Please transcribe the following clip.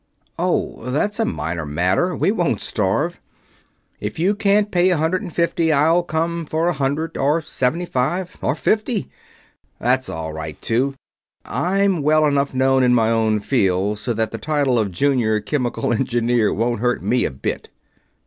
Oh, that's a minor matter. We won't starve. If you can't pay a hundred and fifty I'll come for a hundred, or seventy five, or fifty.... That's all right, too. I'm well enough known in my own field so that a title of Junior Chemical Engineer wouldn't hurt me a bit